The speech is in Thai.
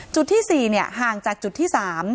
จุดที่๔ห่างจากจุดที่๓